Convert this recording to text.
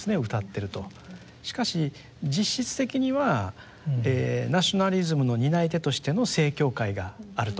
しかし実質的にはナショナリズムの担い手としての正教会があると。